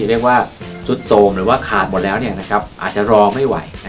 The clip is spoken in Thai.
และความสู้โมงว่าขาดหมดแล้วหรือนะครับอาจจะรอไม่ไหว